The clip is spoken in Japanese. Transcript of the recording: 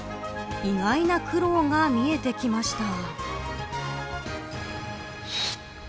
意外な苦労が見えてきました。